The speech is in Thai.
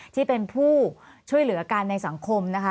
ที่เป็นผู้ช่วยเหลือกันในสังคมนะคะ